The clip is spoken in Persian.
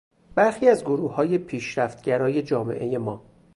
برخی از گروههای پیشرفت گرای جامعهی ما